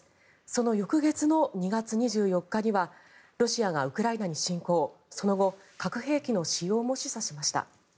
その翌月の２月２４日にはロシアがウクライナに侵攻その後、核兵器の使用も示唆しました。